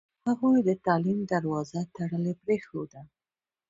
هغوی د تعلیم دروازه تړلې پرېښوده.